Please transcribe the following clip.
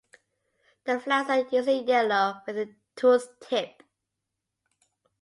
The flowers are usually yellow with a toothed tip.